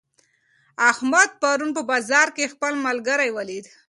احمد پرون په بازار کې خپل ملګری ولید.